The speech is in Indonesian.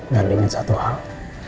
dan ingat satu hal